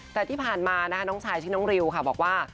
แต่ที่ผ่านมานะคะน้องชายชื่อน้องริวค่ะบอกว่า